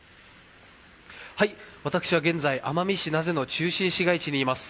私は現在、奄美市名瀬の中心市街地にいます。